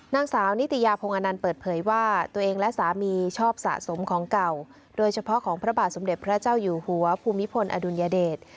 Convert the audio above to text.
นางสาวนิตยาพงศ์อนันต์เปิดเผยว่าตัวเองและสามีชอบสะสมของเก่าโดยเฉพาะของพระบาทสมเด็จพระเจ้าอยู่หัวภูมิพลอดุลยเดช